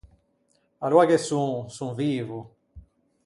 Aloa ghe son, son vivo.